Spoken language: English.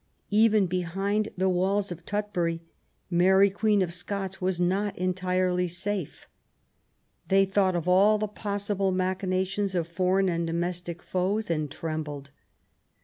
Even behind the walls of Tutbury Mary Queen of Scots was not entirely safe. They thought of all the possible machinations of foreign and domestic foes, and trembled.